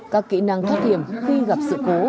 các kỹ năng thoát hiểm khi gặp sự cố